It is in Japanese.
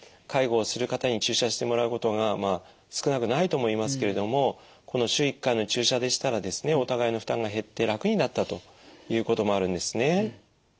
介護をする方に注射してもらうことがまあ少なくないと思いますけれどもこの週１回の注射でしたらですねお互いの負担が減って楽になったということもあるんですね。